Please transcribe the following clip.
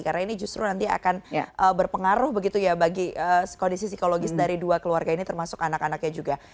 karena ini justru nanti akan berpengaruh begitu ya bagi kondisi psikologis dari dua keluarga ini termasuk anak anaknya juga